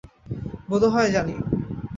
বোধ হয় জানি।